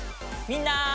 みんな！